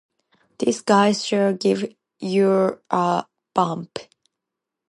Those guys sure give you a bump.